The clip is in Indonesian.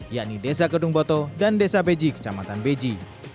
yakni desa kedung boto dan desa beji kecamatan beji